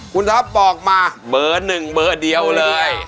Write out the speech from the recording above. คุณท็อปบอกมาเบอร์๑เบอร์เดียวเลย